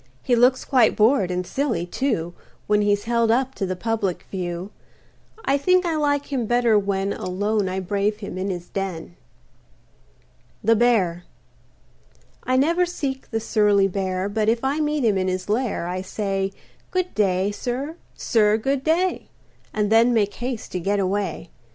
He looks quite bored, and silly, too, When he's held up to public view. I think I like him better when Alone I brave him in his den. THE BEAR I never seek the surly Bear, But if I meet him in his lair I say, "Good day, sir; sir, good day," And then make haste to get away.